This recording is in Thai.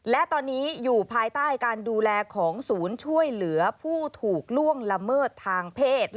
และตอนนี้อยู่ภายใต้การดูแลของศูนย์ช่วยเหลือผู้ถูกล่วงละเมิดทางเพศ